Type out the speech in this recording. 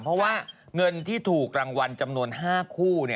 เพราะว่าเงินที่ถูกรางวัลจำนวน๕คู่